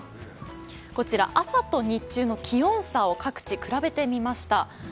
こちら、朝と日中の気温差を各地、比べてみました。